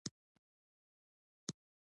فرمان او مقرره او لایحه هم اسناد دي.